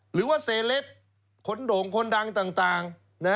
หรือว่า๔๐คนโด่งคนนี้ต่าง